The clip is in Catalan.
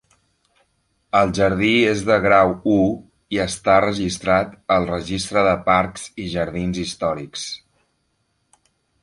El jardí és de grau u i està registrat al Registre de parcs i jardins històrics.